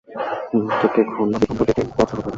মূর্তিটি খণ্ড-বিখণ্ড দেখে বজ্রাহত হলেন।